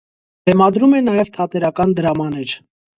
Բեմադրում է նաև թատերական դրամաներ։